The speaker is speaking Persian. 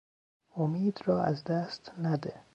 امید را از دست نده.